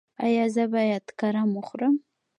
ایا زه باید کرم وخورم؟